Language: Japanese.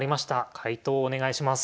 解答お願いします。